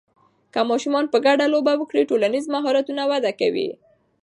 که ماشومان په ګډه لوبې وکړي، ټولنیز مهارتونه وده کوي.